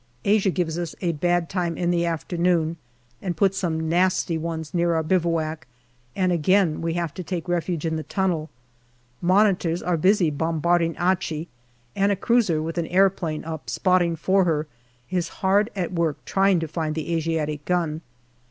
Asia gives us a bad time in the afternoon and puts some nasty ones near our bivouac, and again we have to take refuge in the tunnel. Monitors are busy bombarding Achi, and a cruiser with an aeroplane up spotting for her is hard at work trying to find the Asiatic gun.